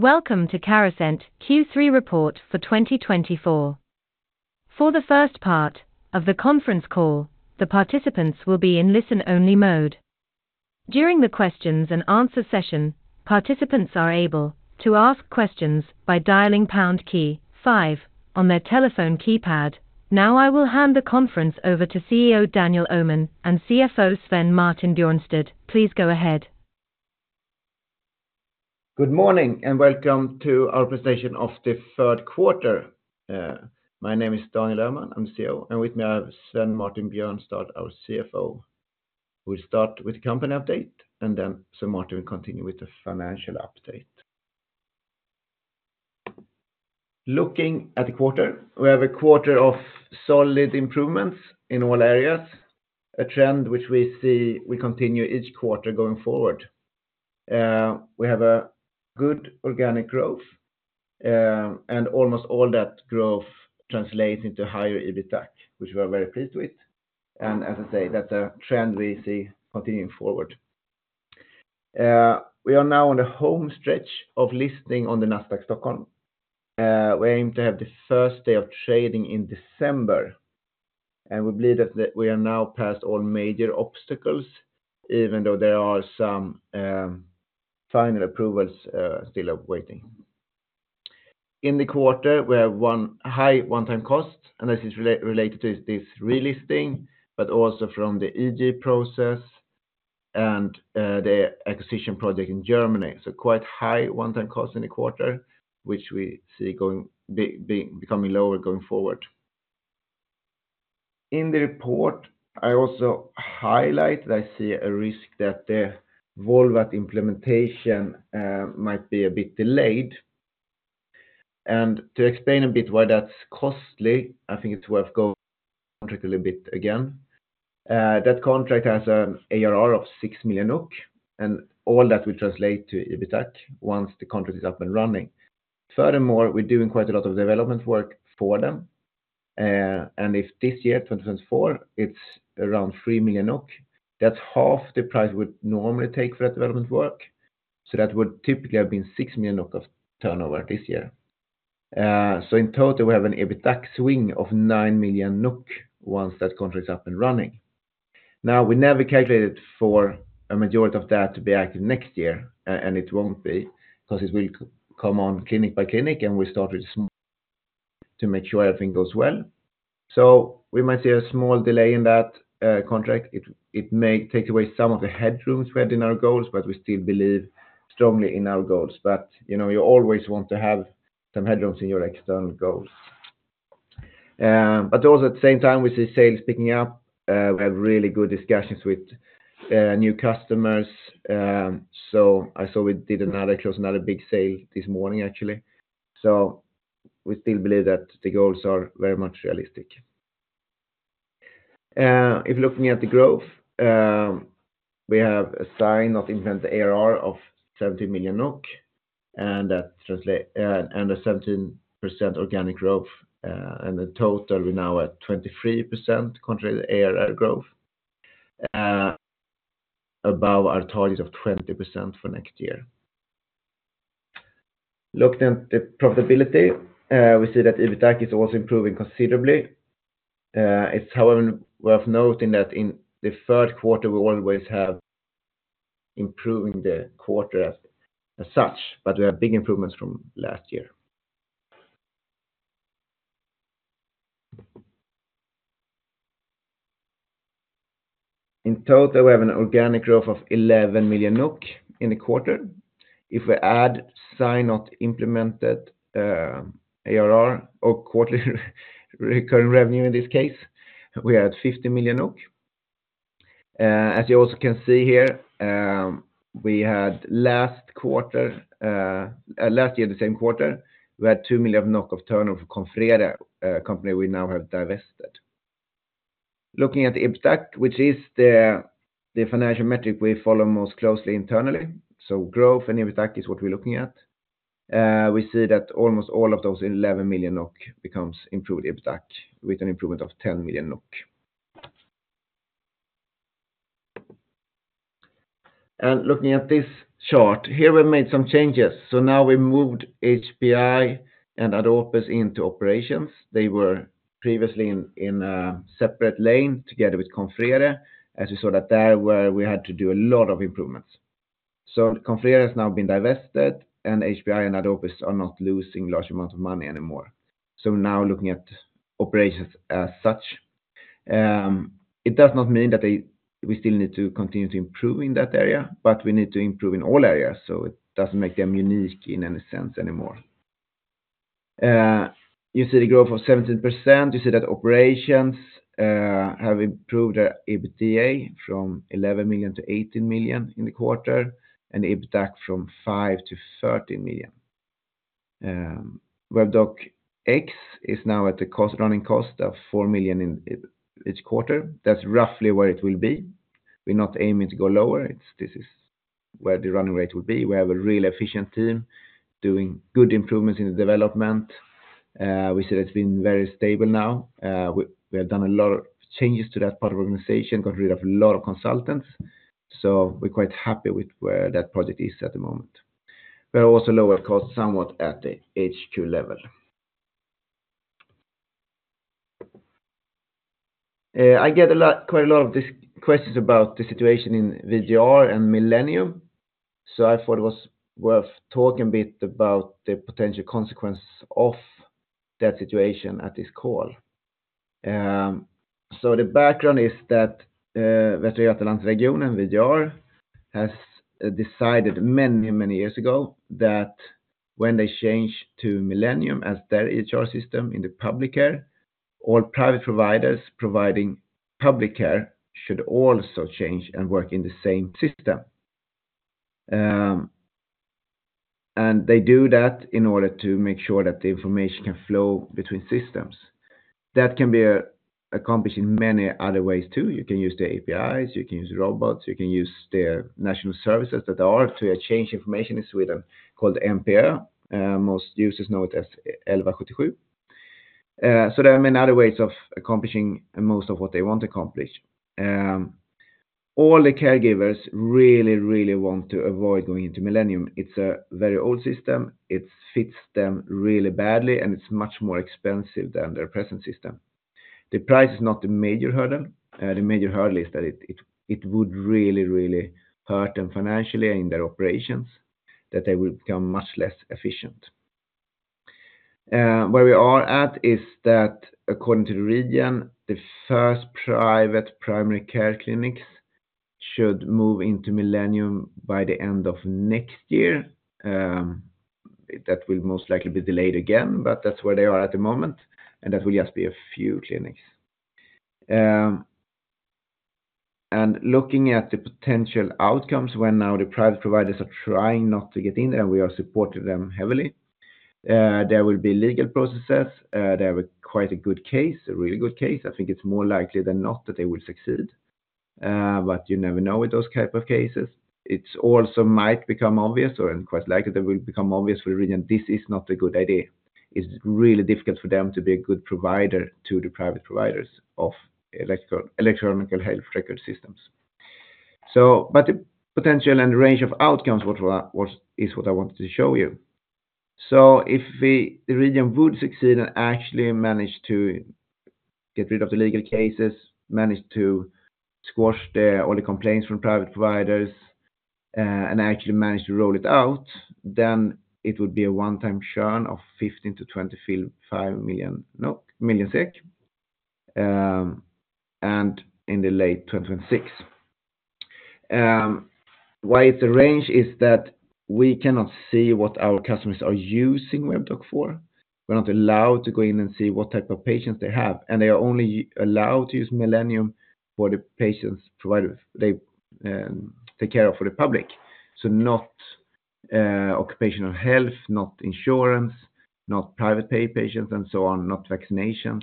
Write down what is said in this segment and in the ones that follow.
Welcome to Carasent Q3 Report for 2024. For the first part of the conference call, the participants will be in listen-only mode. During the questions and answer session, participants are able to ask questions by dialing pound key five on their telephone keypad. Now, I will hand the conference over to CEO Daniel Öhman and CFO Svein Martin Bjørnstad. Please go ahead. Good morning, and welcome to our presentation of the third quarter. My name is Daniel Öhman, I'm CEO, and with me, I have Svein Martin Bjørnstad, our CFO. We'll start with the company update, and then Svein Martin will continue with the financial update. Looking at the quarter, we have a quarter of solid improvements in all areas, a trend which we see will continue each quarter going forward. We have a good organic growth, and almost all that growth translates into higher EBITDA, which we are very pleased with. And as I say, that's a trend we see continuing forward. We are now on a home stretch of listing on the Nasdaq Stockholm. We aim to have the first day of trading in December, and we believe that we are now past all major obstacles, even though there are some final approvals we still are waiting for. In the quarter, we have one high one-time cost, and this is related to this relisting, but also from the EGM process and the acquisition project in Germany. So quite high one-time costs in the quarter, which we see going to be becoming lower going forward. In the report, I also highlight that I see a risk that the Volvat implementation might be a bit delayed. And to explain a bit why that's costly, I think it's worth going over the contract a little bit again. That contract has an ARR of 6 million NOK, and all that will translate to EBITDA once the contract is up and running. Furthermore, we're doing quite a lot of development work for them. And if this year, 2024, it's around 3 million NOK, that's half the price we would normally take for that development work. So that would typically have been 6 million of turnover this year. So in total, we have an EBITDA swing of 9 million NOK once that contract is up and running. Now, we never calculated for a majority of that to be active next year, and it won't be, 'cause it will come on clinic by clinic, and we start with small to make sure everything goes well. So we might see a small delay in that contract. It may take away some of the headrooms we had in our goals, but we still believe strongly in our goals. But, you know, you always want to have some headrooms in your external goals. But also at the same time, we see sales picking up. We have really good discussions with new customers. So I saw we closed another big sale this morning, actually. So we still believe that the goals are very much realistic. If looking at the growth, we have signed implemented ARR of 70 million NOK, and that translates to a 17% organic growth, and the total, we're now at 23% contract ARR growth, above our target of 20% for next year. Looking at the profitability, we see that EBITDA is also improving considerably. It's however worth noting that in the third quarter, we always have improving the quarter, but we have big improvements from last year. In total, we have an organic growth of 11 million NOK in the quarter. If we add sign not implemented, ARR or quarterly recurrent revenue, in this case, we are at 50 million. As you also can see here, we had last quarter, last year, the same quarter, we had 2 million of turnover for Confrere, a company we now have divested. Looking at the EBITDA, which is the financial metric we follow most closely internally, so growth and EBITDA is what we're looking at. We see that almost all of those 11 million NOK becomes improved EBITDA, with an improvement of 10 million NOK. Looking at this chart here, we made some changes. So now we moved HPI and Adopus into operations. They were previously in a separate lane together with Confrere, as you saw that there where we had to do a lot of improvements. Confrere has now been divested, and HPI and Adopus are not losing large amounts of money anymore. Now looking at operations as such, it does not mean that they. We still need to continue to improve in that area, but we need to improve in all areas, so it doesn't make them unique in any sense anymore. You see the growth of 17%. You see that operations have improved their EBITDA from 11 million-18 million in the quarter, and EBITDA from 5 million-13 million. Webdoc X is now at a running cost of 4 million in each quarter. That's roughly where it will be. We're not aiming to go lower. This is where the running rate will be. We have a really efficient team doing good improvements in the development. We see that it's been very stable now. We have done a lot of changes to that part of organization, got rid of a lot of consultants, so we're quite happy with where that project is at the moment. We also lower cost somewhat at the HQ level. I get quite a lot of questions about the situation in VGR and Millennium, so I thought it was worth talking a bit about the potential consequence of that situation at this call. So the background is that Västra Götalandsregionen, VGR, has decided many, many years ago that when they change to Millennium as their EHR system in the public care, all private providers providing public care should also change and work in the same system, and they do that in order to make sure that the information can flow between systems. That can be accomplished in many other ways, too. You can use the APIs, you can use robots, you can use the national services that are to exchange information in Sweden, called NPÖ. Most users know it as 1177 Vårdguiden. So there are many other ways of accomplishing most of what they want to accomplish. All the caregivers really, really want to avoid going into Millennium. It's a very old system, it fits them really badly, and it's much more expensive than their present system. The price is not the major hurdle. The major hurdle is that it would really hurt them financially in their operations, that they will become much less efficient. Where we are at is that according to the region, the first private primary care clinics should move into Millennium by the end of next year. That will most likely be delayed again, but that's where they are at the moment, and that will just be a few clinics, and looking at the potential outcomes, when now the private providers are trying not to get in there, and we are supporting them heavily, there will be legal processes. They have quite a good case, a really good case. I think it's more likely than not that they will succeed, but you never know with those type of cases. It also might become obvious, and quite likely, they will become obvious for the region, this is not a good idea. It is really difficult for them to be a good provider to the private providers of electronic health record systems. But the potential and range of outcomes, what we are – was, is what I wanted to show you. If the region would succeed and actually manage to get rid of the legal cases, manage to squash all the complaints from private providers, and actually manage to roll it out, then it would be a one-time churn of 15 million-25 million and in the late 2026. Why it is a range is that we cannot see what our customers are using Webdoc for. We're not allowed to go in and see what type of patients they have, and they are only allowed to use Millennium for the patients, providers they take care of for the public. So not occupational health, not insurance, not private pay patients, and so on, not vaccinations.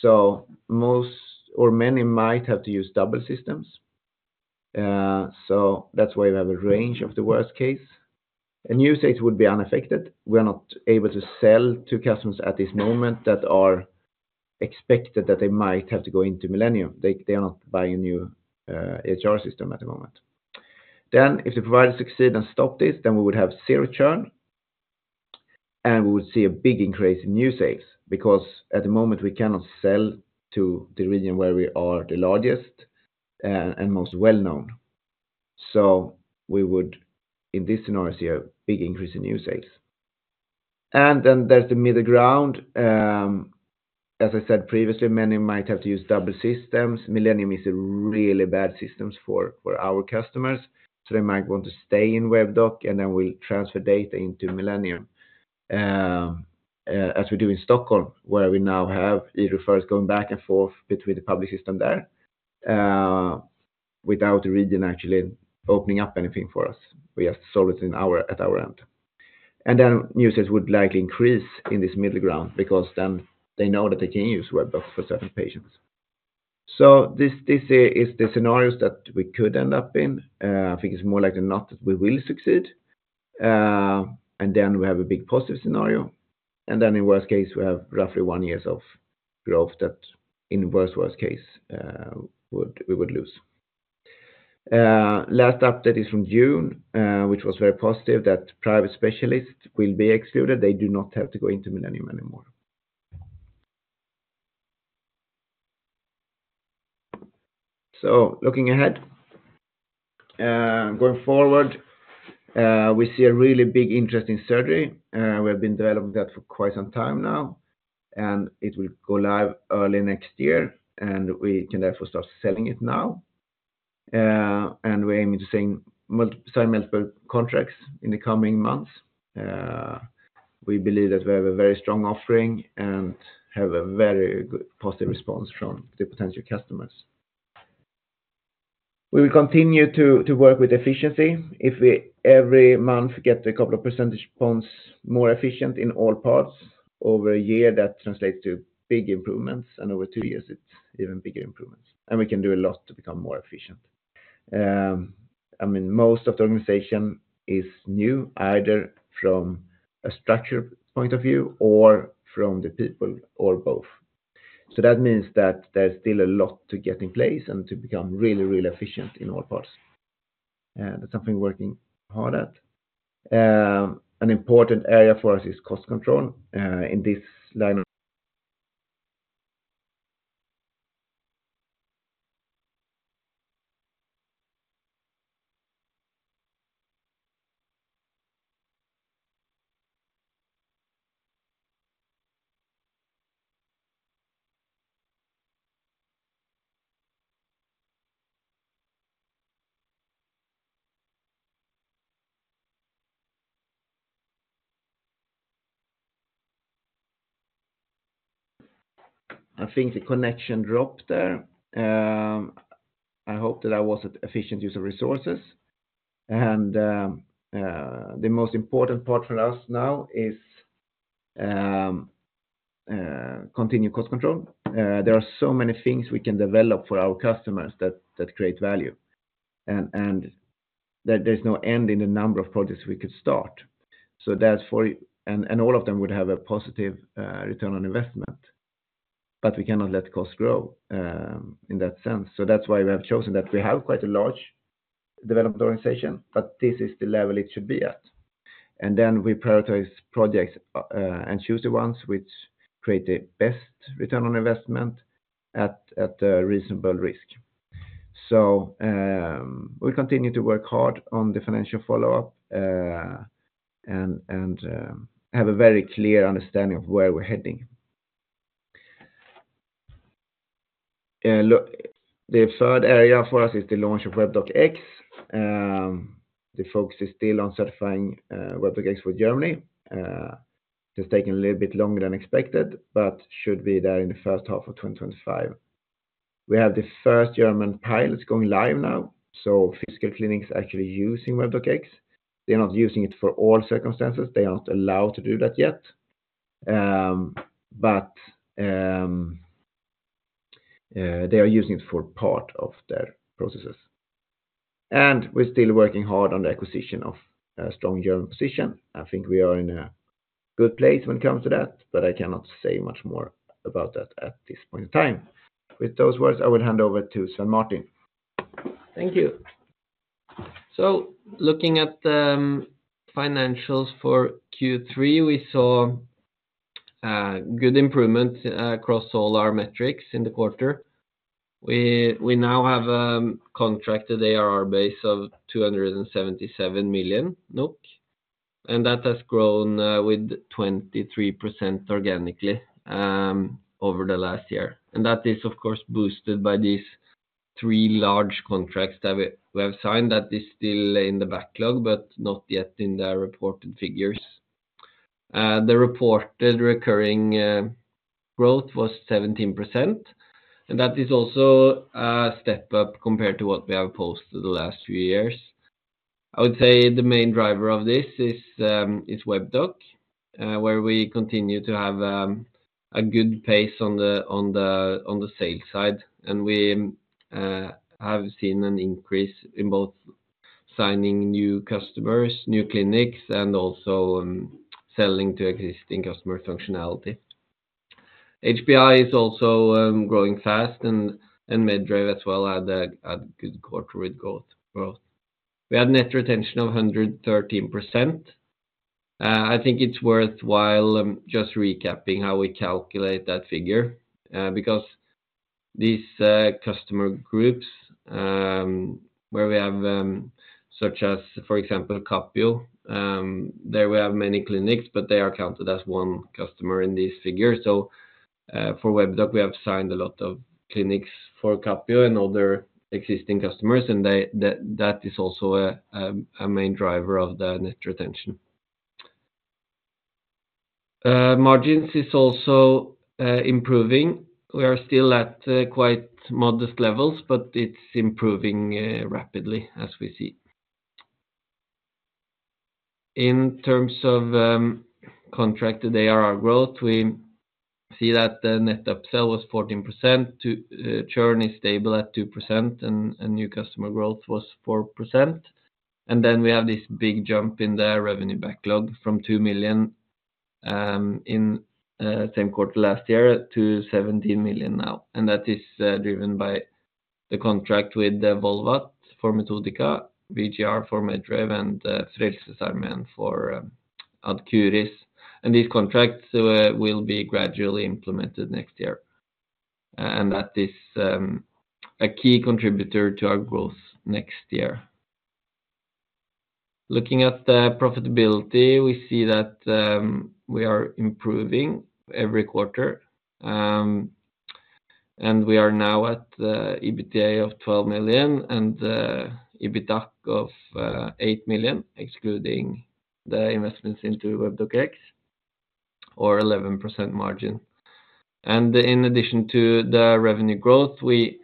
So most or many might have to use double systems, so that's why we have a range of the worst case. A new state would be unaffected. We are not able to sell to customers at this moment that are expected that they might have to go into Millennium. They are not buying a new EHR system at the moment. Then if the provider succeed and stop this, then we would have zero churn, and we would see a big increase in new sales, because at the moment, we cannot sell to the region where we are the largest and most well-known. So we would, in this scenario, see a big increase in new sales. And then there's the middle ground. As I said previously, many might have to use double systems. Millennium is a really bad systems for our customers, so they might want to stay in Webdoc, and then we transfer data into Millennium. As we do in Stockholm, where we now have e-referrals going back and forth between the public system there, without the region actually opening up anything for us. We have to solve it at our end. And then new sales would likely increase in this middle ground because then they know that they can use Webdoc for certain patients. So, this is the scenarios that we could end up in. I think it's more likely than not that we will succeed, and then we have a big positive scenario. And then in worst case, we have roughly one years of growth that in worst case we would lose. Last update is from June, which was very positive, that private specialists will be excluded. They do not have to go into Millennium anymore. So looking ahead, going forward, we see a really big interest in surgery. We have been developing that for quite some time now, and it will go live early next year, and we can therefore start selling it now. And we're aiming to sign multiple contracts in the coming months. We believe that we have a very strong offering and have a very good positive response from the potential customers. We will continue to work with efficiency. If every month we get a couple of percentage points more efficient in all parts, over a year, that translates to big improvements, and over two years, it's even bigger improvements, and we can do a lot to become more efficient. I mean, most of the organization is new, either from a structure point of view or from the people, or both. So that means that there's still a lot to get in place and to become really, really efficient in all parts, and that's something we're working hard at. An important area for us is cost control in this line of- I think the connection dropped there. I hope that I was an efficient use of resources, and the most important part for us now is continue cost control. There are so many things we can develop for our customers that that create value, and and that there's no end in the number of projects we could start. So that's for- and and all of them would have a positive return on investment, but we cannot let costs grow in that sense. So that's why we have chosen that we have quite a large development organization, but this is the level it should be at, and then we prioritize projects and choose the ones which create the best return on investment at a reasonable risk. We continue to work hard on the financial follow-up, and have a very clear understanding of where we're heading. Look, the third area for us is the launch of Webdoc X. The focus is still on certifying Webdoc X for Germany. It's taking a little bit longer than expected, but should be there in the first half of twenty twenty-five. We have the first German pilots going live now, so physical clinics actually using Webdoc X. They're not using it for all circumstances. They are not allowed to do that yet. But they are using it for part of their processes. We're still working hard on the acquisition of a strong German position. I think we are in a good place when it comes to that, but I cannot say much more about that at this point in time. With those words, I would hand over to Svein Martin. Thank you. So looking at the financials for Q3, we saw good improvement across all our metrics in the quarter. We now have contracted ARR base of 277 million NOK, and that has grown with 23% organically over the last year. And that is, of course, boosted by these three large contracts that we have signed that is still in the backlog, but not yet in the reported figures. The reported recurring growth was 17%, and that is also a step up compared to what we have posted the last few years. I would say the main driver of this is Webdoc, where we continue to have a good pace on the sales side, and we have seen an increase in both signing new customers, new clinics, and also selling to existing customer functionality. HPI is also growing fast, and Medrave as well had a good quarter with growth. We had net retention of 113%. I think it's worthwhile just recapping how we calculate that figure, because these customer groups where we have such as, for example, Capio, there we have many clinics, but they are counted as one customer in this figure. For Webdoc, we have signed a lot of clinics for Capio and other existing customers, and that is also a main driver of the net retention. Margins is also improving. We are still at quite modest levels, but it's improving rapidly as we see. In terms of contracted ARR growth, we see that the net upsell was 14%, churn is stable at 2%, and a new customer growth was 4%. Then we have this big jump in the revenue backlog from 2 million in same quarter last year to 17 million now. That is driven by the contract with Volvat for Metodika, VGR for Medrave, and Frelsesarmeen for Ad Curis. These contracts will be gradually implemented next year, and that is a key contributor to our growth next year. Looking at the profitability, we see that we are improving every quarter, and we are now at EBITDA of 12 million and EBITA of 8 million, excluding the investments into Webdoc X, or 11% margin. In addition to the revenue growth, we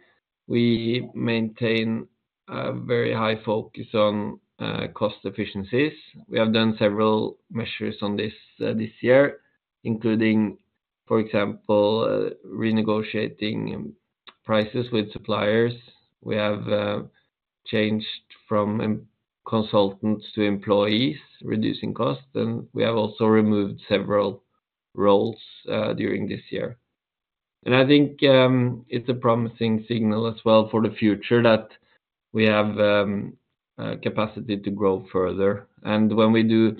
maintain a very high focus on cost efficiencies. We have done several measures on this year, including for example renegotiating prices with suppliers. We have changed from consultants to employees, reducing costs, and we have also removed several roles during this year. I think it's a promising signal as well for the future, that we have capacity to grow further. When we do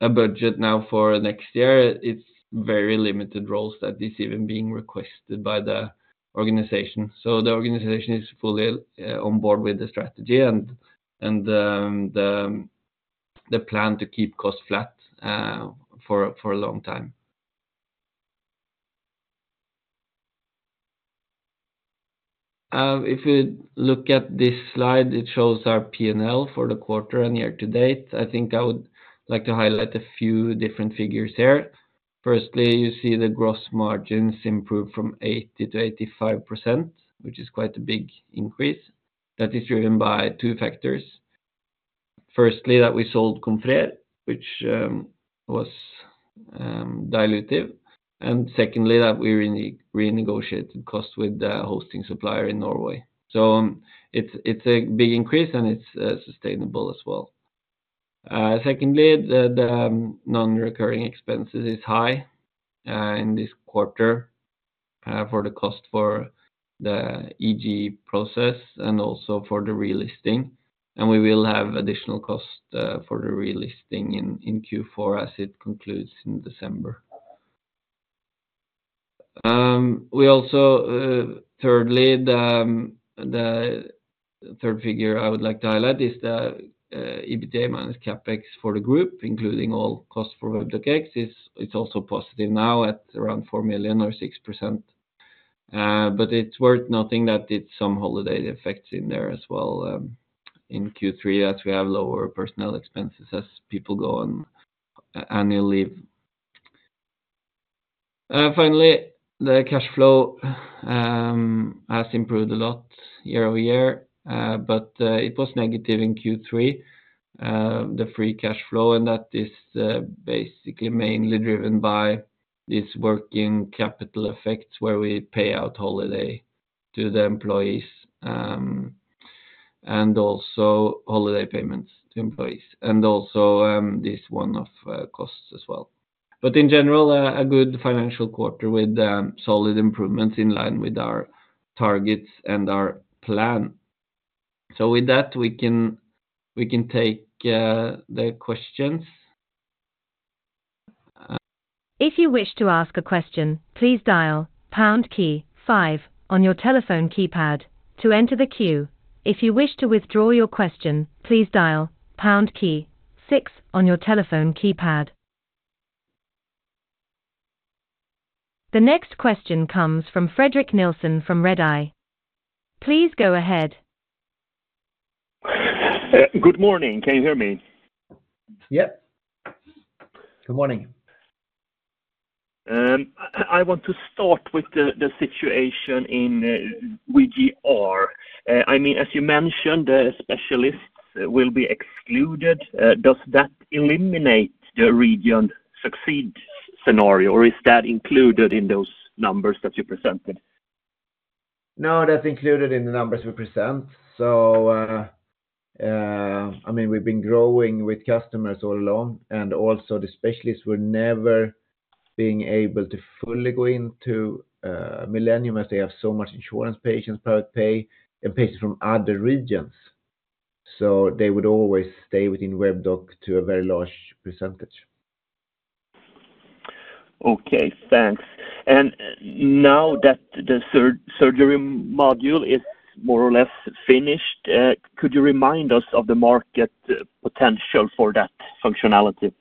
a budget now for next year, it's very limited roles that is even being requested by the organization. The organization is fully on board with the strategy and the plan to keep costs flat for a long time. If you look at this slide, it shows our P&L for the quarter and year-to-date. I think I would like to highlight a few different figures here. Firstly, you see the gross margins improved from 80%-85%, which is quite a big increase. That is driven by two factors. Firstly, that we sold Confrere, which was dilutive, and secondly, that we renegotiated costs with the hosting supplier in Norway. It's a big increase, and it's sustainable as well. Secondly, the non-recurring expenses is high in this quarter for the cost for the EGM process and also for the relisting. And we will have additional cost for the relisting in Q4 as it concludes in December. We also. Thirdly, the third figure I would like to highlight is the EBITDA minus CapEx for the group, including all costs for Webdoc X, it's also positive now at around 4 million or 6%. But it's worth noting that it's some holiday effects in there as well in Q3, as we have lower personnel expenses, as people go on annual leave. Finally, the cash flow has improved a lot year-over-year, but it was negative in Q3, the free cash flow, and that is basically mainly driven by this working capital effects, where we pay out holiday to the employees, and also holiday payments to employees, and also this one-off costs as well. But in general, a good financial quarter with solid improvements in line with our targets and our plan. So with that, we can take the questions. If you wish to ask a question, please dial pound key five on your telephone keypad to enter the queue. If you wish to withdraw your question, please dial #key six on your telephone keypad. The next question comes from Fredrik Nilsson from Redeye. Please go ahead. Good morning. Can you hear me? Yep. Good morning. I want to start with the situation in VGR. I mean, as you mentioned, the specialists will be excluded. Does that eliminate the region succeed scenario, or is that included in those numbers that you presented? No, that's included in the numbers we present. So, I mean, we've been growing with customers all along, and also the specialists were never being able to fully go into Millennium as they have so much insurance patients per pay, and patients from other regions, so they would always stay within Webdoc to a very large percentage. Okay, thanks. And now that the surgery module is more or less finished, could you remind us of the market potential for that functionality?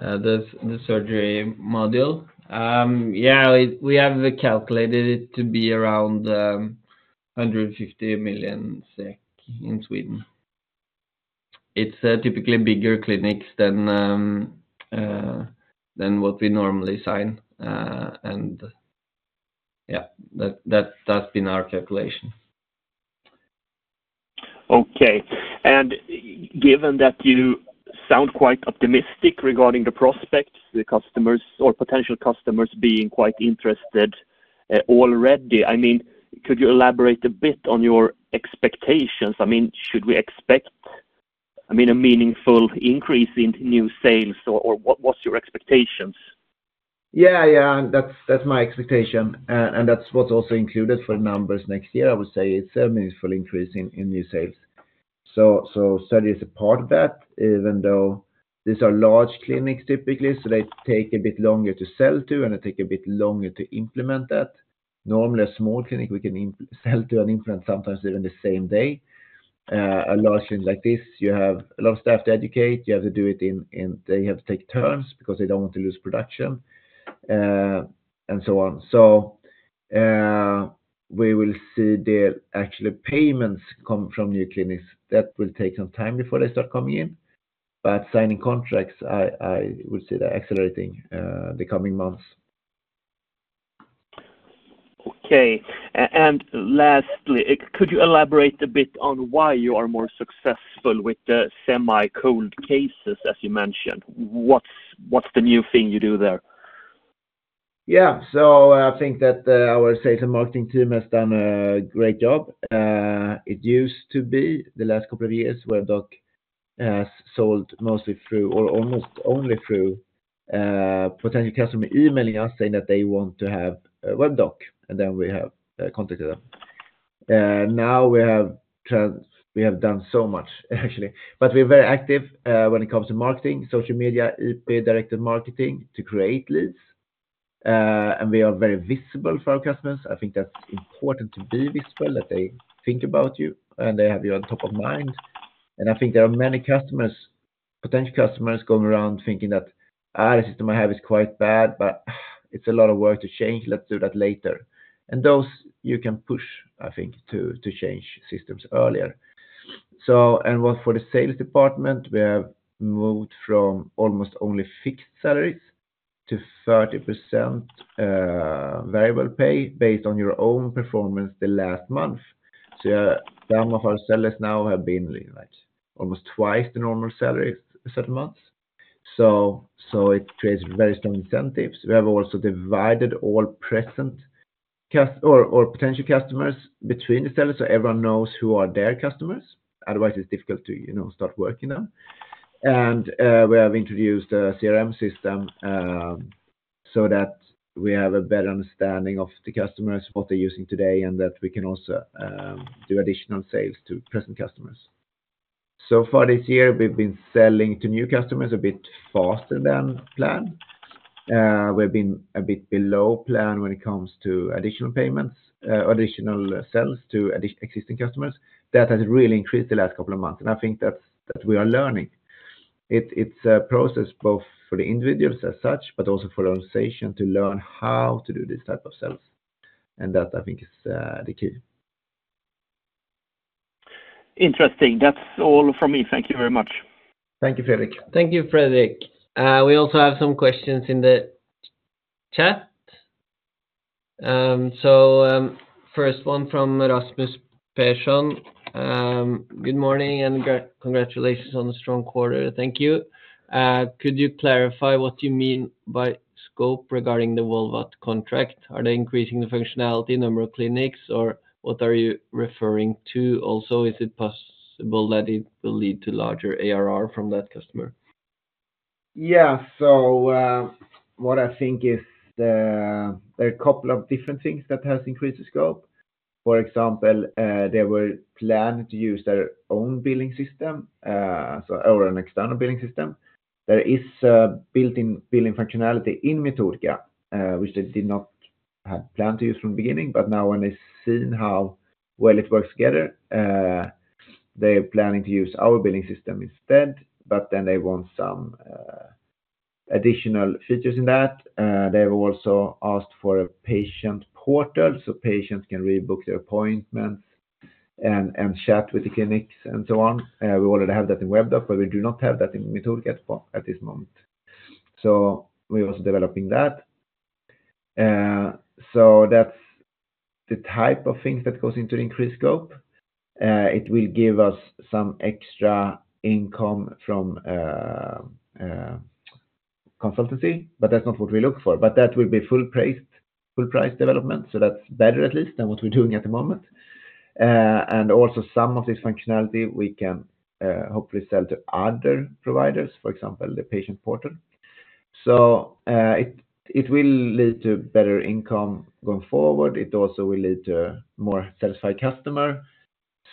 The surgery module? Yeah, we have calculated it to be around 150 million SEK in Sweden. It's typically bigger clinics than what we normally sign, and yeah, that's been our calculation. Okay. And given that you sound quite optimistic regarding the prospects, the customers or potential customers being quite interested, already, I mean, could you elaborate a bit on your expectations? I mean, should we expect, I mean, a meaningful increase in new sales, or, or what, what's your expectations? Yeah, yeah, that's, that's my expectation, and that's what's also included for the numbers next year. I would say it's a meaningful increase in new sales. Sussa is a part of that, even though these are large clinics typically, so they take a bit longer to sell to, and they take a bit longer to implement that. Normally, a small clinic, we can sell to and implement, sometimes even the same day. A large clinic like this, you have a lot of staff to educate, you have to do it in turns because they don't want to lose production, and so on. We will see the actual payments come from new clinics. That will take some time before they start coming in, but signing contracts, I would say they're accelerating the coming months. ... Okay. And lastly, could you elaborate a bit on why you are more successful with the semi-cold cases, as you mentioned? What's the new thing you do there? Yeah. So I think that our sales and marketing team has done a great job. It used to be the last couple of years, Webdoc has sold mostly through or almost only through potential customer emailing us, saying that they want to have a Webdoc, and then we have contacted them. Now we have done so much, actually, but we're very active when it comes to marketing, social media, IP, directed marketing to create leads. And we are very visible for our customers. I think that's important to be visible, that they think about you, and they have you on top of mind. And I think there are many customers, potential customers going around thinking that, "Ah, the system I have is quite bad, but it's a lot of work to change. Let's do that later." And those you can push, I think, to change systems earlier. For the sales department, we have moved from almost only fixed salaries to 30% variable pay based on your own performance the last month. So, yeah, some of our sellers now have been really right, almost twice the normal salary certain months. So it creates very strong incentives. We have also divided all present customers or potential customers between the sellers, so everyone knows who are their customers. Otherwise, it's difficult to, you know, start working now. And we have introduced a CRM system, so that we have a better understanding of the customers, what they're using today, and that we can also do additional sales to present customers. So far this year, we've been selling to new customers a bit faster than planned. We've been a bit below plan when it comes to additional payments, additional sales to existing customers. That has really increased the last couple of months, and I think that we are learning. It's a process both for the individuals as such, but also for the organization to learn how to do this type of sales. And that, I think, is the key. Interesting. That's all from me. Thank you very much. Thank you, Fredrik. Thank you, Fredrik. We also have some questions in the chat, so first one from Rasmus Persson. Good morning, and congratulations on the strong quarter. Thank you. Could you clarify what you mean by scope regarding the Volvat contract? Are they increasing the functionality, number of clinics, or what are you referring to? Also, is it possible that it will lead to larger ARR from that customer? Yeah. So, what I think is, there are a couple of different things that has increased the scope. For example, they were planning to use their own billing system or an external billing system. There is a built-in billing functionality in Metodika, which they did not have planned to use from the beginning, but now when they've seen how well it works together, they're planning to use our billing system instead, but then they want some additional features in that. They've also asked for a patient portal, so patients can rebook their appointments and chat with the clinics and so on. We already have that in Webdoc, but we do not have that in Metodika at this moment. So we're also developing that. So that's the type of things that goes into increased scope. It will give us some extra income from consultancy, but that's not what we look for, but that will be full price development, so that's better, at least, than what we're doing at the moment, and also some of this functionality we can hopefully sell to other providers, for example, the patient portal, so it will lead to better income going forward. It also will lead to more satisfied customer,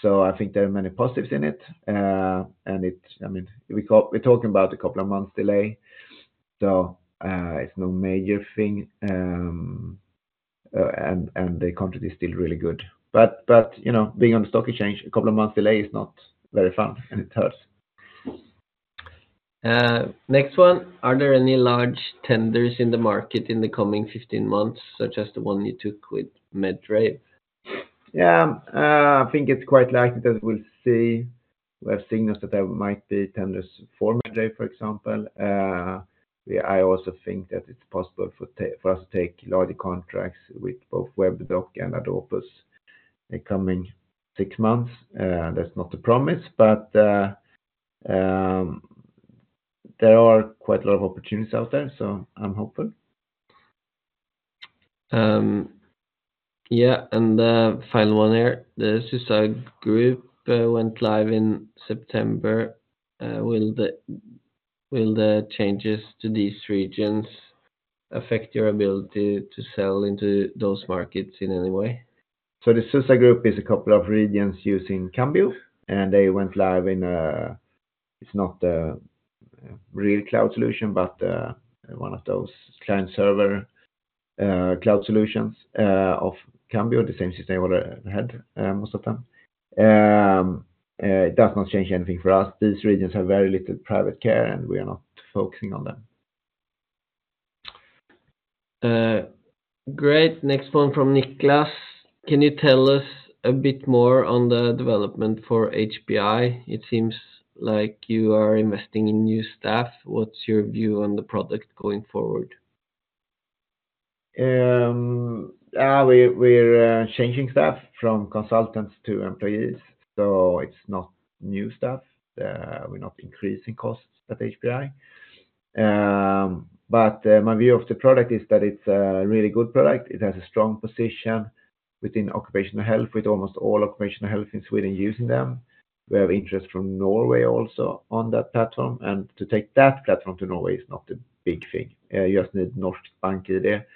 so I think there are many positives in it, and I mean, we're talking about a couple of months delay, so it's no major thing, and the contract is still really good, but you know, being on the stock exchange, a couple of months delay is not very fun, and it hurts. Next one. Are there any large tenders in the market in the coming fifteen months, such as the one you took with Medrave? Yeah, I think it's quite likely that we'll see. We have signals that there might be tenders for Medrave, for example. I also think that it's possible for us to take larger contracts with both Webdoc and Adopus in coming six months. That's not a promise, but, there are quite a lot of opportunities out there, so I'm hopeful. Yeah, and the final one here, the Sussa Group went live in September. Will the changes to these regions affect your ability to sell into those markets in any way? So the Sussa Group is a couple of regions using Cambio, and they went live in. It's not a real cloud solution, but one of those client-server cloud solutions of Cambio, the same system they already had, most of them. It does not change anything for us. These regions have very little private care, and we are not focusing on them. Great. Next one from Niklas. Can you tell us a bit more on the development for HPI? It seems like you are investing in new staff. What's your view on the product going forward? We're changing staff from consultants to employees, so it's not new staff. We're not increasing costs at HPI. But my view of the product is that it's a really good product. It has a strong position within occupational health, with almost all occupational health in Sweden using them. We have interest from Norway also on that platform, and to take that platform to Norway is not a big thing. You just need BankID there,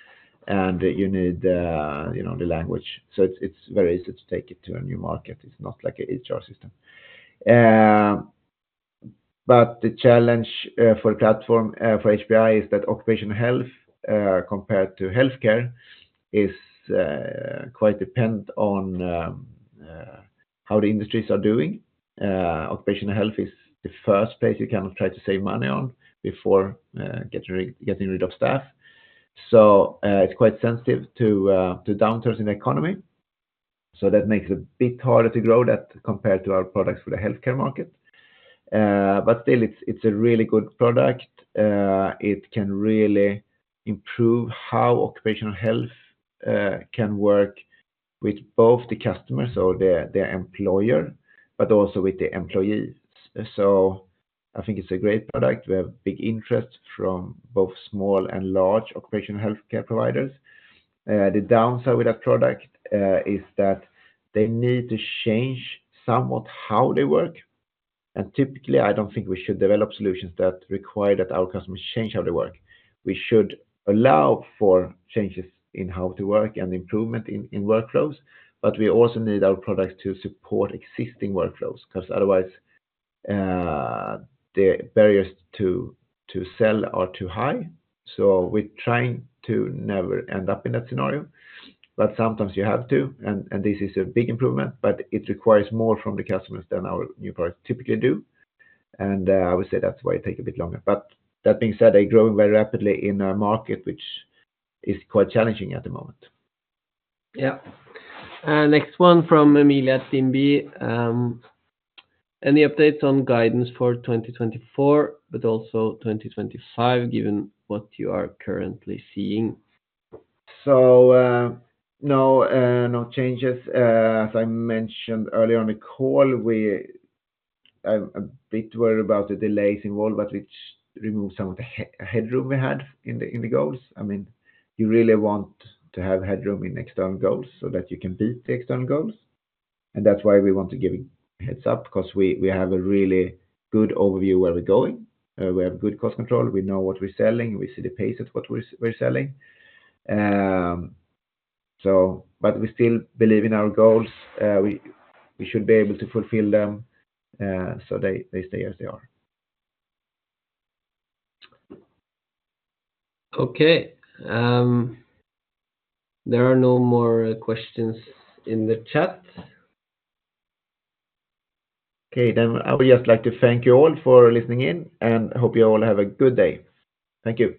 and you need, you know, the language. So it's very easy to take it to a new market. It's not like a EHR system. But the challenge for platform for HPI is that occupational health compared to healthcare is quite dependent on how the industries are doing. Occupational Health is the first place you kind of try to save money on before getting rid of staff. So, it's quite sensitive to downturns in the economy, so that makes it a bit harder to grow that compared to our products for the healthcare market. But still, it's a really good product. It can really improve how Occupational Health can work with both the customers or the employer, but also with the employees. So I think it's a great product. We have big interest from both small and large occupational healthcare providers. The downside with that product is that they need to change somewhat how they work. And typically, I don't think we should develop solutions that require that our customers change how they work. We should allow for changes in how to work and improvement in workflows, but we also need our products to support existing workflows, 'cause otherwise, the barriers to sell are too high, so we're trying to never end up in that scenario, but sometimes you have to, and this is a big improvement, but it requires more from the customers than our new products typically do, and I would say that's why it take a bit longer, but that being said, they're growing very rapidly in a market which is quite challenging at the moment. Yeah. Next one from Emilia Semb. Any updates on guidance for 2024, but also 2025, given what you are currently seeing? No, no changes. As I mentioned earlier on the call, I'm a bit worried about the delays involved, which removed some of the headroom we had in the goals. I mean, you really want to have headroom in external goals so that you can beat the external goals, and that's why we want to give a heads up, 'cause we have a really good overview of where we're going. We have good cost control, we know what we're selling, we see the pace at what we're selling. So but we still believe in our goals. We should be able to fulfill them, so they stay as they are. Okay. There are no more questions in the chat. Okay, then I would just like to thank you all for listening in, and I hope you all have a good day. Thank you.